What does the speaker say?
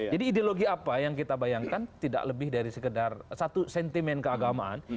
jadi ideologi apa yang kita bayangkan tidak lebih dari sekedar satu sentimen keagamaan